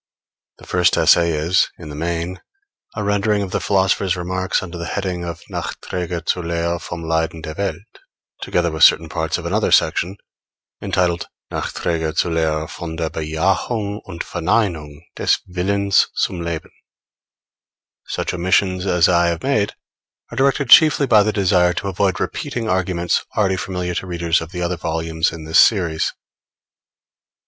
The first essay is, in the main, a rendering of the philosopher's remarks under the heading of Nachträge zur Lehre vom Leiden der Welt, together with certain parts of another section entitled Nachträge zur Lehre von der Bejahung und Verneinung des Willens zum Leben. Such omissions as I have made are directed chiefly by the desire to avoid repeating arguments already familiar to readers of the other volumes in this series.